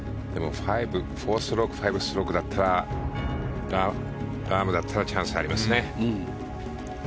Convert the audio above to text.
４ストローク５ストロークだったらラームだったらチャンスありますね。